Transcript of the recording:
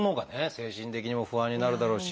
精神的にも不安になるだろうし。